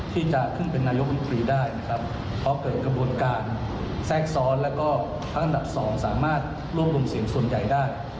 ที่จะขึ้นเป็นนายประวัติมการดูนวงเป็นมีสวนใหญ่ได้